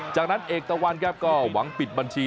จากนั้นเอกตะวันครับก็หวังปิดบัญชี